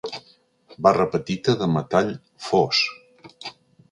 Barra petita de metall fos.